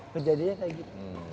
kejadiannya kayak gitu